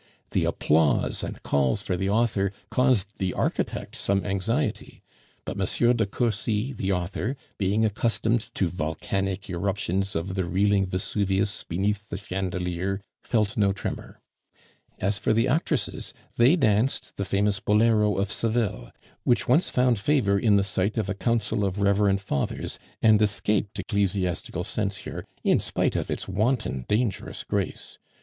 The applause and calls for the author caused the architect some anxiety; but M. de Cursy, the author, being accustomed to volcanic eruptions of the reeling Vesuvius beneath the chandelier, felt no tremor. As for the actresses, they danced the famous bolero of Seville, which once found favor in the sight of a council of reverend fathers, and escaped ecclesiastical censure in spite of its wanton dangerous grace.